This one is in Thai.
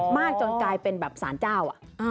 จนกลายเป็นแบบสารเจ้า